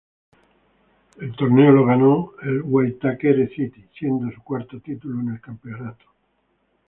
El torneo lo ganó el Waitakere City, siendo su cuarto título en el campeonato.